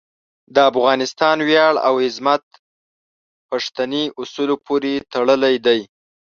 د افغانستان ویاړ او عظمت پښتني اصولو پورې تړلی دی.